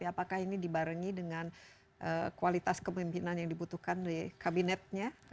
jadi ini dibarengi dengan kualitas kepemimpinan yang dibutuhkan dari kabinetnya